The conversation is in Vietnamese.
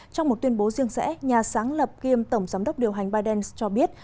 trong một tuyên bố riêng rẽ nhà sáng lập kiêm tổng giám đốc điều hành biden cho biết